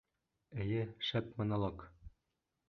Эйе, шәп монолог!